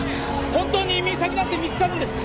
本当に移民先なんて見つかるんですか！？